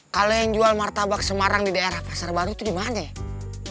kalo yang jual martabak semarang di daerah pasar baru tuh dimana ya